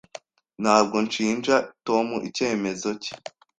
Ntabwo nshinja Tom icyemezo cye.